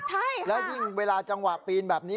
ใช่แล้วยิ่งเวลาจังหวะปีนแบบนี้